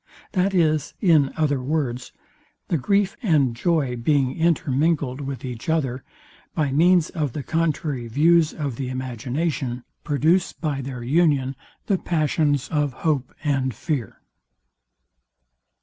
That is, in other words, the grief and joy being intermingled with each other, by means of the contrary views of the imagination, produce by their union the passions of hope and fear.